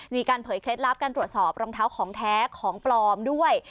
เผยเคล็ดลับการตรวจสอบรองเท้าของแท้ของปลอมด้วย